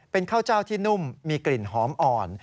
เป็นข้าวเจ้าที่นุ่มมีกลิ่นหอมอ่อน